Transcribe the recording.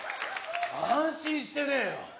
安心してねえよ